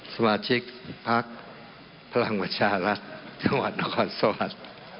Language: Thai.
สมาชิกภักดิ์พลังประชารัทฯชาวนครสวรรค์